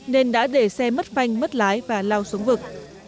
nên đã để xe mất phanh mất lái và lao xuống vực